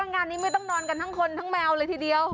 งานนี้ไม่ต้องนอนกันทั้งคนทั้งแมวเลยทีเดียว